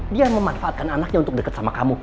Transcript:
dia yang memanfaatkan anaknya untuk deket sama kamu